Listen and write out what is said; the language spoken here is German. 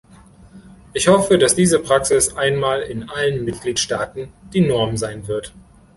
Ich hoffe, dass diese Praxis einmal in allen Mitgliedstaaten die Norm sein wird.